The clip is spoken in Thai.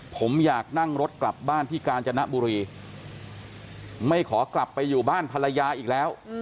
ผมอยากนั่งรถกลับบ้านที่กาญจนบุรีไม่ขอกลับไปอยู่บ้านภรรยาอีกแล้ว